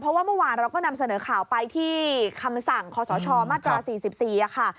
เพราะว่าเมื่อวานเราก็นำเสนอข่าวไปที่คำสั่งคศมาตรา๔๔ค่ะ